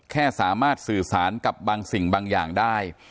แค่สามารถสื่อสารกับบางสิ่งบางอย่างได้